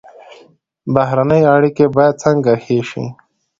بهرنۍ اړیکې باید څنګه ښې شي؟